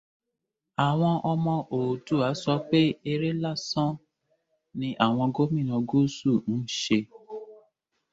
Àwọn ọmọ Oòduà sọ pé eré lásán làwọn gómìnà gúúsù ń ṣe